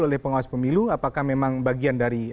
oleh pengawas pemilu apakah memang bagian dari